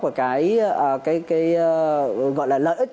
về cái gọi là lợi ích